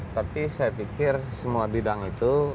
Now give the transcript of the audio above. tapi saya pikir semua bidang itu